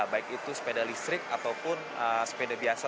baik itu sepeda listrik ataupun sepeda biasa